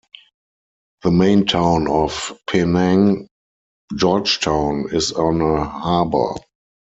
The main town of Penang, George Town, is on a harbor.